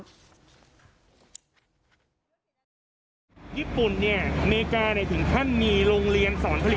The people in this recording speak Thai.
วันนี้พวกเราก็จะเอาเรื่องมาพูดกันที่นี่